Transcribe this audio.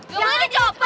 gak boleh dicoba lah